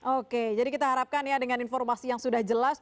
oke jadi kita harapkan ya dengan informasi yang sudah jelas